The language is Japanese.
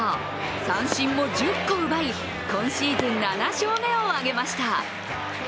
三振も１０個奪い、今シーズン７勝目を挙げました。